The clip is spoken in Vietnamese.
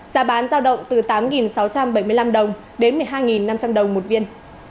giá bán giao động từ tám sáu trăm bảy mươi năm đồng đến một mươi hai năm trăm linh đồng một viên